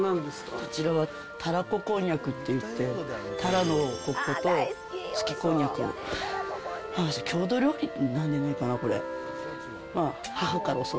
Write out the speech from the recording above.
こちらは、たらここんにゃくっていって、たらのと、すきこんにゃくを、郷土料理なんでないかな、これ。